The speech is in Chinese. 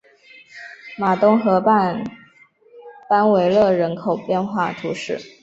马东河畔班维勒人口变化图示